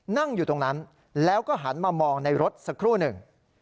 นั่งอยู่ตรงนั้นแล้วก็หันมามองในรถสักครู่หนึ่ง